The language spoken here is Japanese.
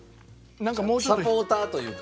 サポーターというか。